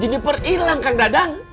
jennifer ilang kang dadang